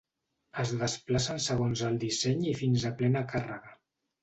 Es desplacen segons el disseny i fins a plena càrrega.